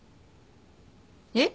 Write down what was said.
えっ？